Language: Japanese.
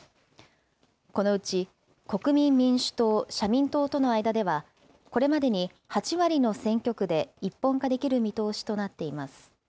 このうち、国民民主党、社民党との間では、これまでに８割の選挙区で一本化できる見通しとなっています。